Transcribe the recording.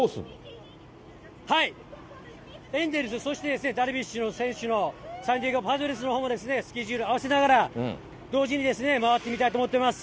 はい、エンジェルス、そしてダルビッシュ選手のサンディエゴパドレスのほうのスケジュール合わせながら、同時に回ってみたいと思ってます。